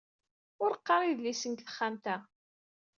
Ur qqar idlisen deg texxamt-a.